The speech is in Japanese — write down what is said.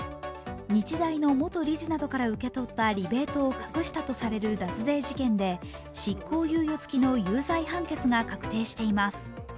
日大の元理事などからリベートを受け取った脱税事件で執行猶予付きの有罪判決が確定しています。